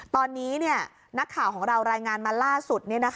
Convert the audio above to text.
ตอนนี้นักข่าวของเรารายงานมาล่าสุด